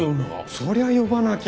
そりゃ呼ばなきゃ。